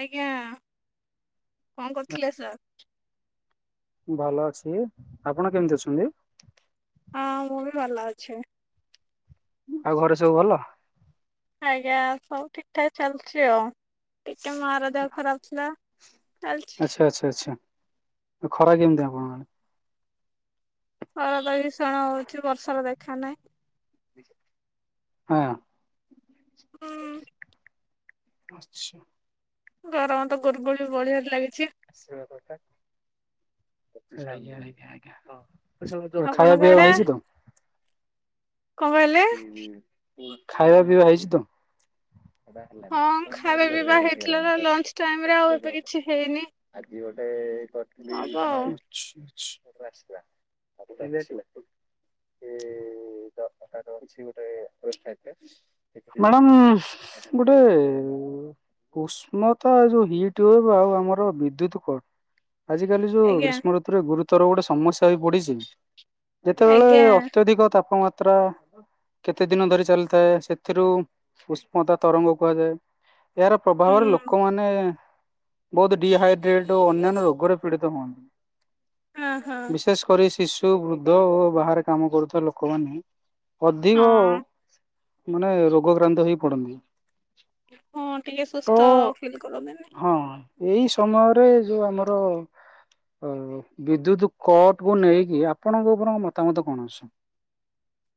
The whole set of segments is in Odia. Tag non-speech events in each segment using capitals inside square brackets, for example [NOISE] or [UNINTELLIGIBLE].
ଆଜ୍ଞା କଣ କରୁଥିଲେ ସାର୍? ଭଲ ଅଛି ଆପଣ କେମିତି ଅଛନ୍ତି? ହଁ ମୁଁ ବି ଭଲ ଅଛି। ଆଉ ଘରେ ସବୁ ଭଲ? ଆଜ୍ଞା ସବୁ ଠିକ ଠାକ ଚାଲିଛି ଆଉ ଟିକେ ମାର ଦେହ ଖରାପ ଥିଲା। ଚାଲିଛି। ଆଚ୍ଛା ଆଚ୍ଛା ଆଚ୍ଛା ଖରା କେମିତି ଆପଣଙ୍କ ଆଡ଼େ? ଖରା ତ ଭିସଣ ହଉଛି ବର୍ଷାର ଦେଖା ନାହିଁ। ହଁ ହୁଁ ଆଚ୍ଛା ଗରମ ତ ଗୁଳୁଗୁଳି ବଢ଼ିବାରେ ଲାଗିଛି। ଆସିବା କଥା ଆଜ୍ଞା ଆଜ୍ଞା ହଁ ପଇସା ପତର ଖାଇବା ଆପଣଙ୍କ ପିଇବା ଆଡେ? ହେଇଛି ତ? କଣ କହିଲେ? ଖାଇବା ପିଇବା ହେଇଛି ତ? ହଁ ଖାଇବା ପିଇବା ହେଇଥିଲା ନା ଲଞ୍ଚ ଟାଇମରେ ଆଉ ଏବେ କିଛି ହେଇନି। ଆଜି ହବ ଗୋଟେ ଆଉ କରିଥିଲି ମାନେ ଆସିଲା ସେ ଏ ଏ କିଛି ଗୋଟେ ମ୍ୟାଡ଼ାମ ଗୋଟେ ଉଷ୍ମତା ଯୋଉ ହିଟ୍ ଉଏଭ ଆଉ ଆମର ବିଦ୍ୟୁତ କଟ୍ ଆଜି କାଲି ଯୋଉ ଆଜ୍ଞା ଗ୍ରୀଷ୍ମ ଋତୁରେ ଗୁରୁତର ଗୋଟେ ସମସ୍ୟା ହେଇପଡିଛି। ଯେତେବେଳେ ଆଜ୍ଞା ଅତ୍ୟଧିକ ତାପମାତ୍ରା ମାତ୍ର କେତେ ଦିନ ଧରି ଚାଲିଥାଏ ସେଥିରୁ ଉଷ୍ମତା ତରଙ୍ଗ କୁହାଯାଏ। ଏହାର ହୁଁ ପ୍ରଭାବରେ ଲୋକମାନେ ବହୁତ ଡିହାଇଡ୍ରେଟ ଓ ଅନ୍ୟାନ୍ୟ ରୋଗରେ ପୀଡିତ ହୁଅନ୍ତି ହଁ ହଁ ବିଶେଷ ପରି ଶିଶୁ, ବୃଦ୍ଧ ଓ ବାହାରେ କାମ କରୁଥିବା ଲୋକମାନେ ଅଧିକ ହଁ। ମାନେ ରୋଗକ୍ରାନ୍ତ ହେଇ ପଡନ୍ତି। ହଁ ଟିକେ ତ ସୁସ୍ଥ ଫିଲ୍ କରନ୍ତି ନା ହଁ ଏଇ ସମୟରେ ଯୋଉ ଆମର ବିଦ୍ୟୁତ୍ କଟ୍ କୁ ନେଇକି ଆପଣଙ୍କ ଉପରଙ୍କ ମତାମତ କଣ ଅଛି?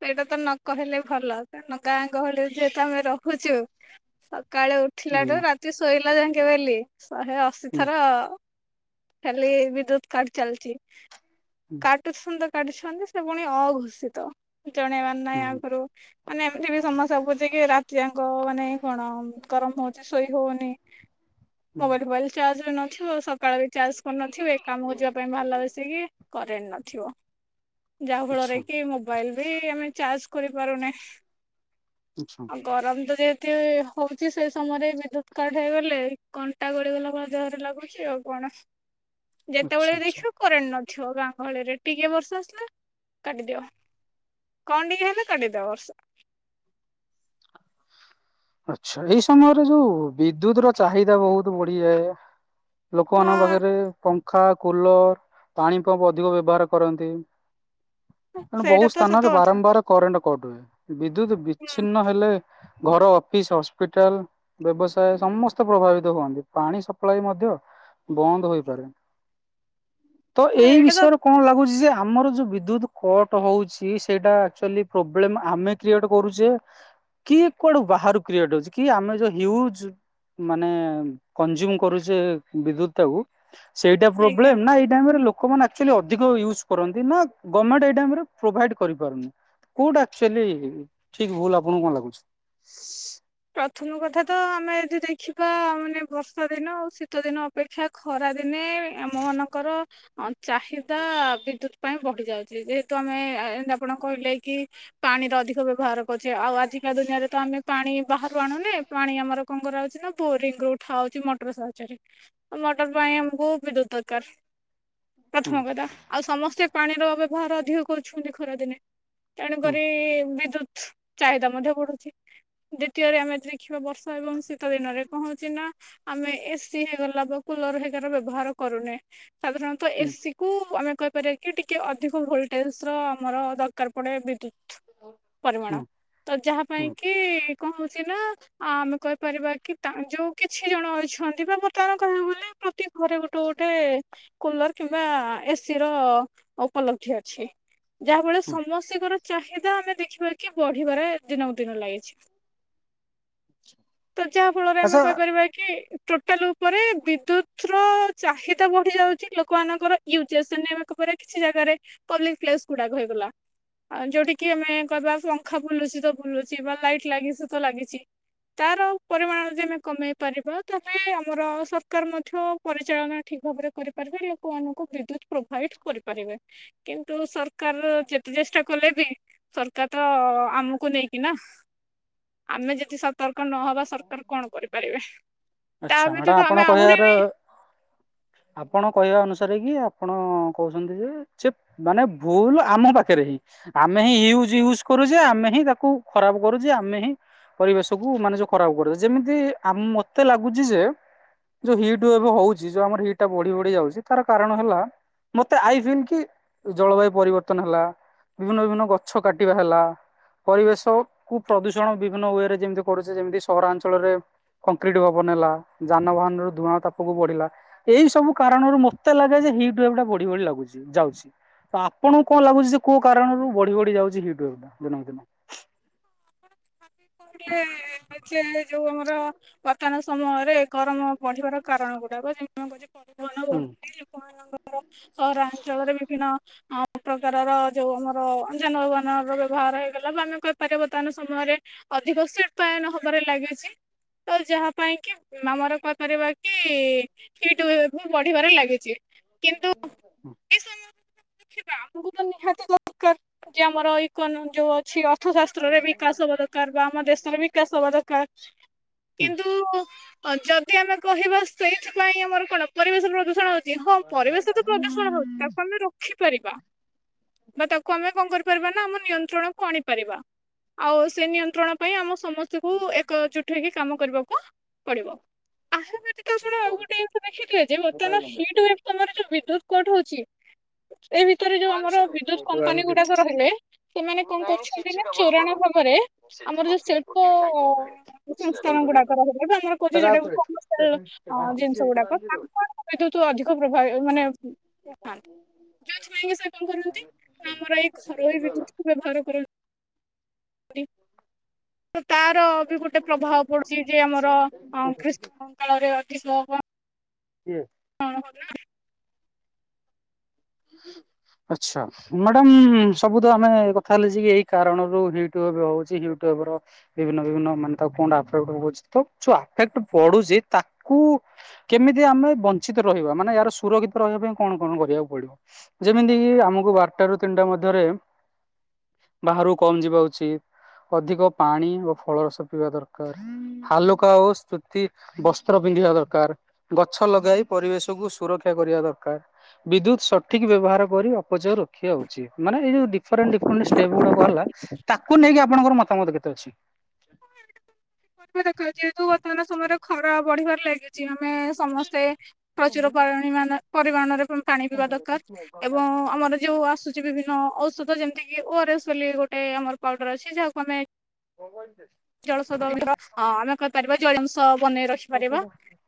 ସେଇଟା ତ ନ କହିଲେ ଭଲ କାରଣ ଗାଁ ଗହଳି ରେ ଯେହେତୁ ଆମେ ରହୁଛୁ ସକାଳୁ ଉଠିଲା ହୁଁ ଠୁ ରାତି ଶୋଇଲା ଜାଙ୍କେ ବେଲି ଶହେ ଅଶୀ ହୁଁ ଥର ଖାଲି ବିଦ୍ୟୁତ୍ କାଟ୍ ଚାଲ୍ ଚି। ହୁଁ କାଟୁଛନ୍ତି ତ କାଟୁଛନ୍ତି ସେ ପୁଣି ଅଘୋଷିତ ଜଣେଇବାର ହୁଁ ନାଇଁ ଆଗୁରୁ। ମାନେ ଏମିତି ବି ସମସ୍ୟା ହଉଛି କି ରାତିଜାଙ୍କ ମାନେ କଣ ଗରମ୍ ହଉଛି ଶୋଇ ହଉନି ହ [INAUDIBLE] ହୁଁ ମୋବାଇଲ୍ ଫୋବାଇଲ୍ ଚାର୍ଜ ବି ନଥିବ ସକାଳ ବି ଚାର୍ଜ କରିନଥିବେ କାମକୁ ଯିବା ପାଇଁ ବାହାରିଲା ବସିକି କରେଣ୍ଟ୍ ନଥିବ ଯାହା ଆଚ୍ଛା ଫଳରେ କି ମୁ ମୋବାଇଲ୍ ବି ଆମେ ଚାର୍ଜ କରିପାରୁନେ। କିଛୁ [INAUDIBLE] ଗରମ୍ ତ ଯେହେତୀ ହଉଚି ସେଇ ସମୟରେ ବିଦ୍ୟୁତ୍ କାଟ୍ ହେଇଗଲେ କଣ୍ଟା ଗଳି ଗଲା ଭଳି ଦେହରେ ଲାଗୁ ଆଉ କଣ ଆଚ୍ଛା ଯେତେବଳେ ଆଚ୍ଛା। ଦେଖିବ କରେଣ୍ଟ୍ ନଥିବ ଗାଁ ଗହଳିରେ ଟିକେ ବର୍ଷା ଆସିଲା କାଟିଦିଅ। କଣ ଟିକେ ହେଲେ କାଟି ଦବ ର୍ଷା। ଆଛା ଏଇ ସମୟରେ ଯୋଉ ବିଦ୍ୟୁତ୍ ର ଚାହିଦା ବହୁତ୍ ବଢିଯାଏ ଲୋକମାନଙ୍କ ହଁ ପାଖରେ ପଙ୍ଖା କୁଲର ପାଣିପମ୍ପ ଅଧିକ ବ୍ୟବହାର କରନ୍ତି। ତେଣୁ ବହୁ ସେଇଟା ତ ସ୍ଥାନରେ ସତ କଥା ବାରମ୍ବାର ବିଦ୍ୟୁତ୍ ହୁଁ ବିଛିନ୍ନ ହେଲେ ଘର ଅଫିସ୍ ହସ୍ପିଟାଲ୍ ବ୍ୟବସାୟ ସମସ୍ତେ ପ୍ରଭାବିତ ହୁଅନ୍ତି ପାଣି ସପ୍ଲାଏ ମଧ୍ୟ ବନ୍ଦ ହୋଇପାରେ। ତ ହଁ ଏଇ ଏଇଟା ତ ବିଷୟରେ କଁ ଲାଗୁଛି ଯେ ଆମର ଯୋଉ ବିଦ୍ୟୁତ୍ କଟ୍ ହଉଛି ସେଇଟା ଆକ୍ ଚୁଆଲି ପ୍ରୋବ୍ଲେମ୍ ଆମେ କ୍ରିଏଟ୍ କରୁଛେ କି କୁଆଡୁ ବାହାରୁ କ୍ରିଏଟ୍ ଅଛି କି ଆମେ ଯୋଉ ହ୍ୟୁଜ୍ ମାନେ କଞ୍ଜୁମ୍ କରୁଛେ ବିଦ୍ୟୁତ୍ ତାକୁ ସେଇଟା ଆଜ୍ଞା ପ୍ରୋବ୍ଲେମ୍ ନା ଏଇ ଟାଇମ୍ ରେ ଲୋ କମାନେ ଆକ୍ଚୁଆଲି ଅଧିକ ୟୁଜ୍ କରନ୍ତି ନା ଗମେଣ୍ଟ୍ ଏଇ ଟାଇମ୍ ରେ ପ୍ରୋଭାଇଡ୍ କରିପାରୁନି କୋଉଟା ଆକ୍ଚୁଆଲି ଠିକ୍ ଭୁଲ୍ ଆପଣଙ୍କୁ କଣ ଲାଗୁଚି? ପ୍ରଥମ କଥା ତ ଆମେ ଯଦି ଦେଖିବା ମାନେ ବର୍ଷାଦିନ ଆଉ ଶୀତଦିନ ଅପେକ୍ଷା ଖରାଦିନେ ଆମ ମାନଙ୍କର ଅଁ ଚାହିଦା ବିଦ୍ୟୁତ୍ ପାଇଁ ବଢ଼ି ଯାଉଚି ଯେହେତୁ ଆମେ ଏ ଏମ୍ ତି ଆପଣ କହିଲେ କି ପାଣିର ଅଧିକ ବ୍ୟବହାର କରୁଚେ ଆଉ ଆଜିକା ଦୁନିଆରେ ତ ଆମେ ପାଣି ବାହାରୁ ଆଣୁନି ପାଣି ଆମର କଣ କରାହଉଚି ନା ବୋରିଂ ରୁ ଉଠା ହଉଛି ମଟର ସାହାଯ୍ୟରେ ମଟର ପାଇଁ ଆମୁକୁ ବିଦ୍ୟୁତ୍ ଦରକାର୍ ହୁଁ ପ୍ରଥମ କଥା। ଆଉ ସମସ୍ତେ ପାଣିର ବ୍ୟବହାର ଅଧିକ କରୁଛନ୍ତି ଖରାଦିନେ ତେଣୁ କରି ହୁଁ ବିଦ୍ୟୁତ୍ ଚାହିଦା ମଧ୍ୟ ବଢୁଚି। ଦୁତୀୟରେ ଆମେ ଦେଖିବା ବର୍ଷା ଏବଂ ଶୀତ ଦିନରେ କଣ ହଉଛି ନା ଆମେ ଏସିି ହେଇଗଲା ବା କୁଲର ହେଘାର ବ୍ୟବହାର କରୁନେ ସାଧାରଣତ ଏସିି କୁ ଆମେ କ ହିପାରିବା କି ଟିକେ ଅଧିକ ଭୋଲଟେଜ୍ ର ଆମର ଦରକାର ପଡେ ବିଦ୍ୟୁତ୍ ପରିମାଣ ହୁଁ ତ ଯାହା ହୁଁ ପାଇଁ କି କଣ ହଉଛି ନା ଆ ଆମେ କହିପାରିବା କି ତା ଯୋଉ କିଛି ଜଣ ଅଛନ୍ତି ବା ବର୍ତ୍ତମାନ କହିବାକୁ ଗଲେ ପ୍ର ତି ଘରେ ଗୋଟେ ଗୋଟେ କୁଲର କିମ୍ବା ଏସି ର ଉପଲବ୍ଧି ଅଛି। ଯାହାଫଳରେ ହୁଁ ସମସ୍ତିଙ୍କର ଚାହିଦା ଆମେ ଦେଖିବା କି ବଢିବାରେ ଦିନକୁ ଦିନ ଲାଗିଛି। ତ ଯାହାଫଳରେ ଆମେ ଆଚ୍ଛା କହିପାରିବା କି, ଟୋ ଟୋଟାଲ ଉପରେ ବିଦ୍ୟୁତ୍ ର ଚାହିଦା ବଢ଼ିଯାଉଚି ଲୋକମାନଙ୍କର ୟୁଜେସ୍। [UNINTELLIGIBLE] ତାପରେ କିଛି ଜାଗାରେ ପବ୍ଲିକ୍ ପ୍ଲେସ୍ ଗୁଡ଼ାକ ହେଇଗଲା। ଆଁ ଯୋଉଠି କିି ଆମେ କହିବା ପଙ୍ଖା ବୁଲୁଛି ତ ବୁଲୁଛି ବାର୍ ଲାଇଟ୍ ଲାଗିଛି ତ ଲାଗିଛି। ତାର ପରିମାଣ ଯଦି ଆମେ କମେଇ ପାରିବା, ତାହେଲେ ଆମର ସରକାର ମଧ୍ୟ ପରିଚାଳନା ଠିକ୍ ଭାବରେ କରିପାରିବେ ଲୋକମାନଙ୍କୁ ବିଦ୍ୟୁତ୍ ପ୍ରୋଭାଇଡ୍ କରିପାରିବେ। କିନ୍ତୁ ସରକାର ଯେତେ ଚେଷ୍ଟା କଲେ ବି ସରକାର ତ ଆମକୁ ନେଇକି ନା। ଆମେ ଯଦି ସତର୍କ ନହବା ସରକାର କଣ କରିପାରିବେ, ତା ଆଚ୍ଛା ମ୍ୟାଡାମ ବ୍ୟତୀତ ଆପଣ ଆମେ ଆହୁରି କହିବାର ବି [INAUDIBLE] ଆପଣ କହିବା ଅନୁସାରେ କି ଆପଣ କହୁଛନ୍ତି ଯେ ଯେ ମାନେ ଭୁଲ ଆମ ପାଖରେ ହି। ଆମେ ହିଁ ୟୁଜ ୟୁଜ କରୁଚେ, ଆମେ ହିଁ ତାକୁ ଖରାପ କରୁଚେ, ଆମେ ହିଁ ପରିବେଶକୁ ମାନେ ଯୋଉ ଖରାପ କରୁଚେ ଯେମିତି ଆମ ମତେ ଲାଗୁଚି ଯେ ଯୋଉ ହିଟ୍ ୱେଭ୍ ହଉଚି, ଯୋଉ ଆମର ହିଟ୍ ଟା ବଢ଼ି ବଢ଼ି ଯାଉଚି, ତାର କାରଣ ହେଲା ମତେ ଆଇଫିନ୍ କି ଜଳବାୟୁ ପରିବର୍ତ୍ତନ ହେଲା। ବିଭିନ୍ନ ବିଭିନ୍ନ ଗଛ କାଟିବା ହେଲା। ପରିବେଶ କୁ ପ୍ରଦୂଷଣ ବିଭିନ୍ନ ୱରେ ଯେମିତି କରୁଚେ ଯେମିତି ସହରାଞ୍ଚଳରେ କଂକ୍ରିଟ ଭବନ ହେଲା, ଯାନବାହାନରୁ ଧୂଆଁ ଉତ୍ତାପ ବଢ଼ିଲା। ଏଇ ସବୁ କାରଣରୁ ମତେ ଲାଗେ ଯେ ହିଟ୍ ୱେଭ୍ ଟା ବଢ଼ି ବଢ଼ି ଲାଗୁଚି ଯାଉଛି। ତ ଆପଣଙ୍କୁ କଣ ଲାଗୁଚି ଯେ କୋଉ କାରଣରୁ ବଢ଼ି ବଢ଼ି ଯାଉଛି ହିଟ୍ ୱେଭ୍ ଦିନକୁ ଦିନ? [INAUDIBLE] ଯୋଉ ଆମର ବର୍ତ୍ତମାନ ସମୟରେ ଗରମ ବଢ଼ି ବାର କାରଣ ଗୁଡାକ [UNINTELLIGIBLE] [INAUDIBLE] ସହରାଞ୍ଚଳରେ ବିଭିନ୍ନ ଆ ପ୍ରକାରର ଯୋଉ ଆମର ଯାନବାହାନ ର ବ୍ୟବହାର ହେଇଗଲା ବା ଆମେ କହିପାରିବା ବର୍ତ୍ତମାନ ସମୟରେ ଅଧିକ ଶିଳ୍ପାୟନ ହବାରେ ଲାଗିଛି। ତ ଯାହା ପାଇଁ କି ଆମର କଇପାରିବା କି ହିଟ୍ ୱେଭ୍ ବି ବଢ଼ିବାରେ ଲାଗିଚି। [INAUDIBLE] ଆମକୁ ତ ନିହାତି ଦରକାର ଯେ ଆମର [INAUDIBLE] ଯୋଉ ଅ ଅଛି ଅର୍ଥଶାସ୍ତ୍ରରେ ବିକାଶ ହବା ଦରକାର ବା ଆମ ଦେଶରେ ବିକାଶ ହବା ଦରକାର। କିନ୍ତୁ ଅ ଯଦି ଆମେ କହିବା ସେଇଥିପାଇଁ ଆମର କଣ ପରିବେଶ ପ୍ରଦୂଷଣ ହଉଚି ହଁ ପରିବେଶ ତ ପ୍ରଦୂଷଣ ହଉଛି ତାକୁ ଆମେ ରୋଖିପାରିବା। ବା ତାକୁ ଆମେ କଣ କରିପାରିବା ନା ଆମ ନିୟନ୍ତ୍ରଣକୁ ଆଣିପାରିବା ଆଉ ସେ ନିୟନ୍ତ୍ରଣ ପାଇଁ ଆମ ସମସ୍ତଙ୍କୁ ଏକ ଜୁଟ ହେଇକି କାମ କରିବାକୁ ପଡିବ ଆହୁ [INAUDIBLE] ଆପଣ ଗୋଟେ ଜିନିଷ ଦେଖିେ ଯେ ବର୍ତ୍ତମାନ ହିଟ୍ ୱେଭ୍ ତମର ଯୋଉ ବିଦ୍ୟୁତ କଟ ହଉଚି ଏ ଭିତରେ ଯୋଉ ଆମର ବିଦ୍ୟୁତ କମ୍ପାନୀ ଗୁଡାକ ରହିଲେ ସେମାନେ କଣ କରୁଛନ୍ତି ନା ଚୋରାଣ ଭାବରେ ଆମର ଯୋଉ ଶିଳ୍ପ ସଂସ୍ଥାନ ଗୁଡାକ ରହିଲା ଆମର କହୁଚି ଯୋଉଟା [INAUDIBLE] ହଁ ଜିନିଷ ଗୁଡାକ ହୁଁ ତାଙ୍କ ଆଡକୁ ବିଦ୍ୟୁତ୍ ଅଧିକ ପ୍ରଭାବ ମାନେ ଥାନ୍ତି। ଯୋଉ ଛୁାଇଁକି ସେ କଣ କରନ୍ତି ନା ଆମର ଏଇ ଘରୋଇ ବିଦ୍ୟୁତ୍ ବ୍ୟବହାର କରନ୍ତି। ତ ତାର ବି ଗୋଟେ ପ୍ରଭାବ ପଡୁଚି ଯେ ଆମର ଗ୍ରୀଷ୍ [INAUDIBLE] ରେ ଅଧିକ ହବ। କିଏ? [UNINTELLIGIBLE] ଆଚ୍ଛା। ମ୍ୟାଡ଼ାମ୍ ସବୁ ତ ଆମେ କଥା [UNINTELLIGIBLE] ଏଇ କାରଣରୁ ହୁଟୁବ ହଉଚି ୟଟୁବର ବିଭିନ୍ନ ବିଭିନ୍ନ ମାନେ ତାକୁ କଁଟା ଆଫେକ୍ଟ ପକଉଚି ତ ଯୋଉ ଆଫେକ୍ଟ ବଢ଼ୁଚି ତାକୁ କେମିତି ଆମେ ବଞ୍ଚିତ ରହିବା ମାନେ ଏହାର ସୁରକ୍ଷିତ ରହିବା ପାଇଁ କଣ କଣ କରିବାକୁ ପଡିବ। ଯେମିତିକି ଆମକୁ ବାରଟା ରୁ ତିନିଟା ମଧ୍ୟରେ ବାହାରୁ କମ୍ ଯିବା ଉଚିତ୍। ଅଧିକ ପାଣି ଓ ଫଳରସ ପିଇବା ଦରକାର୍। ହାଲୁକା ଆଉ ସ୍ତୁତି ବସ୍ତ୍ର ପିନ୍ଧିବା ଦରକାର୍। ଗଛ ଲଗାଇ ପରିବେଶକୁ ସୁରକ୍ଷା କରିବା ଦରକାର୍। ବିଦ୍ୟୁତ୍ ସଟ୍ ଠିକ୍ ବ୍ୟବହାର କରି ଅପଚୟ ରଖିବା ହଉଚି ମାନେ ଏଇ ଯେଉଁ ଡିଫରେଣ୍ଟ ଡିଫରେଣ୍ଟ ଷ୍ଟେପ୍ ଗୁଡ଼ାକ ହେଲା। ତାକୁ ନେଇକି ଆପଣଙ୍କର ମତାମତ କେତେ ଅଛି। [UNINTELLIGIBLE] ଯେହେତୁ ବର୍ତ୍ତମାନ ସମୟରେ ଖରା ବଢିବାରେ ଲାଗିଚି। ଆମେ ସମସ୍ତେ ପ୍ରଚୁର ପରିମାଣ ପରିମାଣରେ [UNINTELLIGIBLE] ପାଣି ପିଇବା ଦରକାର୍ ଏବଂ ଆମର ଯୋଉ ଆସୁ ଚି‌ ବିଭିନ୍ନ ଔଷଧ ଯେମିତିକି ଓ ଆର ଏସ୍ ବୋଲି ଗୋଟେ ଆମର ପାଉଡର ଅଛି। ଯାହାକୁ ଆମେ [UNINTELLIGIBLE] ଜଳ [UNINTELLIGIBLE] ଅ ଆମେ କହିପାରିବା ଜଳୀୟଅଂଶ ବନେଇ ରଖ୍ ଖିପାରିବା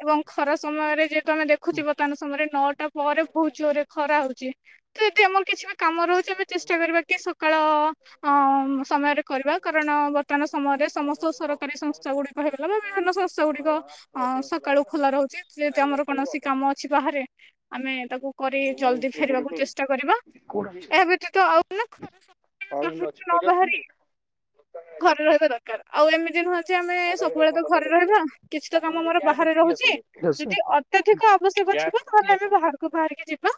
ଏବଂ ଖରା ସମୟରେ ଯେହେତୁ ଆମେ ଦେଖୁଥିବ ତାେ ଆମେ ସ୍ ସମୟରେ ନଅଟା ପରେ ବହୁତ୍ ଜୋରରେ ଖରା ହଉଚି ତ ଯଦି ଆମର କିଛି ବି କାମ ରହୁଚି ଆମେ ଚେଷ୍ଟା କରିବା କି ସକାଳ ଅଁ ଉମ୍ ସମୟରେ କରିବା କାରଣ ବର୍ତ୍ତମାନ ସମୟରେ ସମସ୍ତ ସରକାରୀ ସଂସ୍ଥା ଗୁଡିକ ହେଇଗଲା ବା ବିଭିନ୍ନ ସଂସ୍ଥା ଗୁଡିକ ଅ ସକାଳୁ ଖୋଲା ରହୁଚି। ଯେହେତୁ ଆମର କୌଣସି କାମ ଅଛି ବାହାରେ ଆମେ ତାକୁ କରି ଜଲଦି ଫେରିବାକୁ ଚେଷ୍ଟା କରିବା। ଏହା ବ୍ୟତୀତ ଆଉ [UNINTELLIGIBLE] [UNINTELLIGIBLE] ନ ବାହାରି ଘରେ ରହି ବା ଦରକାର୍। ଆଉ ଏମିତି ନୁହଁ ଯେ ଆମେ ସବୁବେଳେ ତ ଘରେ ରହିବା କିଛି ତ କାମ ଆମର ବାହାରେ ରହୁଚି। ଯଦି ଅତ୍ୟଧିକ ଆବଶ୍ୟକ ଥିବ ତାହେଲେ ଆମେ ବାହାରକୁ ବାହାରିକି ଯିବା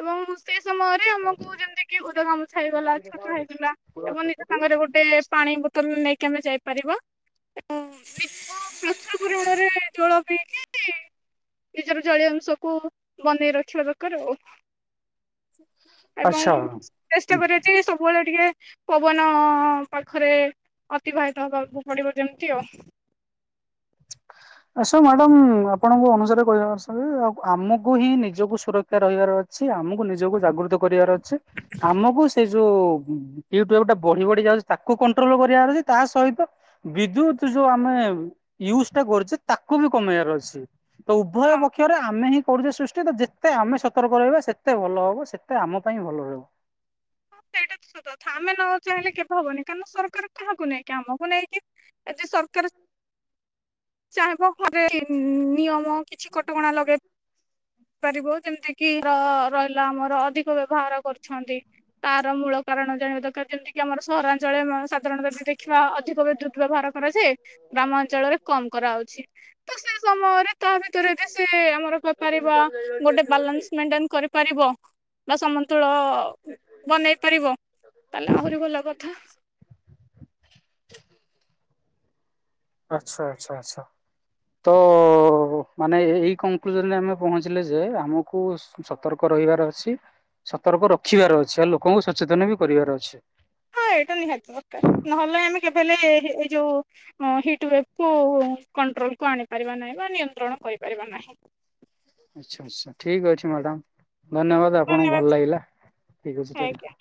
ଏବଂ ସେ ସମୟରେ ଆମକୁ ଯେମ୍ତିକିି ଓଦା ଗାମୁଛା ହେଇଗଲା ଛତା ହେଇଗଲା ଏବଂ ନିଜ ସାଙ୍ଗରେ ଗୋଟେ ପାଣି ବୋତଲ୍ ନେଇକି ଆମେ ଯାଇପାରିବା। ଅମ୍ ନିଜ [UNINTELLIGIBLE] ପୁରଣରେ ଜଳ ପିଇକି ନିଜର ଜଳୀୟ ଅଂଶକୁ ବନେଇ ରଖିବା ଦରକାର୍ ଆଉ ଏବଂ ଆଚ୍ଛା। ଚେଷ୍ଟା କରିବା ଯେ ସବୁବେଳେ ଟିକେ ପବନ ପାଖରେ ଅତିବାହିତ ହବାକୁ ପଡିବ ଯେମ୍ତି ଆଉ। ଆସ ମ୍ୟାଡ଼ାମ୍ ଆପଣଙ୍କ ଅନୁସାରେ କହିବା [UNINTELLIGIBLE] ଆ ଆମକୁ ହିଁ ନିଜକୁ ସୁର କ୍ଷା ରହିବାର ଅଛି। ଆମକୁ ନିଜକୁ ଜାଗୃତ କରିବାର ଅଛି। ଆମକୁ ସେଇ ଯୋଉ [UNINTELLIGIBLE] ବଢି ବଢି ଯାଉଚି ତାକୁ କଣ୍ଟ୍ରୋଲ କରିବାର ଅଛି ତା ସହିତ ବିଦ୍ୟୁତ୍ ଯୋଉ ଆମେ ୟୁଜଟା କରୁଚେ। ତାକୁ ବି କମେଇବାର ଅଛି ତ ଉଭୟ ହଁ ପକ୍ଷରେ ଆମେ ହିଁ କରୁଚେ ସୃଷ୍ଟି ତ ଯେତେ ଆମେ ସତର୍କ ରହିବା ସେତେ ଭଲ ହବ ସେତେ ଆମ ପାଇଁ ଭଲ ରହିବ। ହଁ ସେଇଟା ତ ସ କଥା ଆମେ ନ ଚାହିଁଲେ କେବେ ହବନି କାରଣ ସରକାର କାହାକୁ ନେଇକି ଆମକୁ ନେଇକି। ଆଜି ସରକାର ଚାହିଁବ ଘରେ ଖିନ୍ ନିୟମ କିଛି କଟକଣା ଲଗେଇ ପାରିବ। ଯେମ୍ତିକି ର ରହିଲା ଆମର ଅଧିକ ବ୍ୟବହାର କରୁଛନ୍ତି। ତାର ମୂଳ କାରଣ ଜାଣିବା ଦରକାର ଯେମିତିକିି ଆମର ସହରାଞ୍ଚଳ ମ ସାଧ୍ ରଣ ଯଦି ଦେଖିବା ଅଧିକ ବିଦ୍ୟୁତ ବ୍ୟବହାର କରାଯାଏ। ଗ୍ରାମ ଅଞ୍ଚଳରେ କମ କରାଉଛି। ତ ସେ ସମୟରେ ତା ଭିତରେ ବି ସେ ଆମର କହିପାରିବା ଗୋଟେ ବାଲାନ୍ସ ଆଟେଡ୍ କରିପାରିବ। ବା ସମନ୍ତୁଳ ବନେଇ ପାରିବ ତାହେଲେ ଆହୁରି ଭଲ କଥା। ଆଚ୍ଛା ଆଚ୍ଛା ଆଚ୍ଛ ତ ଓ ମାନେ ଏଇ କଂଙ୍କୁଜନରେ ଆମେ ପହଞ୍ଚିଲେ ଯେ ଆମକୁ ସତର୍କ ରହିବାର ଅଛି। ସତର୍କ ରଖିବାର ଅଛି ଆଉ ଲୋକଙ୍କୁ ସଚେତନ ବି କରିବାର ଅଛି। ହଁ ଏଇଟା ନିହାତି ଦରକାର ନହେଲେ ଆମେ କେବେ ହେଲେ ଏଇ ଯୋଉ ହଁ ହିଟ୍ ଵେକ୍ କୁ କଣ୍ଟ୍ରୋଲ କୁ ଆଣିପାରିବା ନାହିଁ ବା ନିୟନ୍ତ୍ରଣ କରିପାରିବା ନାହିଁ। ଆଚ୍ଛା ଆଚ୍ଛା ଠିକ୍ ଅଛି ମାଡାମ୍ ଧନ୍ୟବାଦ ଆପଣଙ୍କୁ ଭଲ ଧନ୍ୟବାଦ ଲାଗିଲା ଠିକ୍ ଅଛି ଆଜ୍ଞା [UNINTELLIGIBLE]